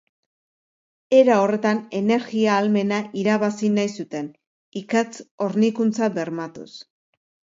Era horretan, energia ahalmena irabazi nahi zuten, ikatz hornikuntza bermatuz.